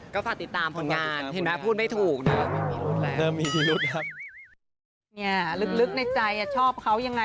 ก็ฝากติดตามผลงานเห็นไหมพูดไม่ถูกนะ